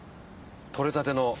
取れたての。